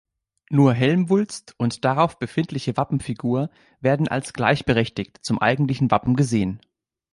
Nur Helmwulst und darauf befindliche Wappenfigur werden als gleichberechtigt zum eigentlichen Wappen gesehen.